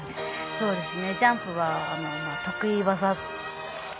そうですね。